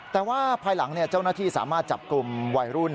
แต่ว่าภายหลังเจ้าหน้าที่สามารถจับกลุ่มวัยรุ่น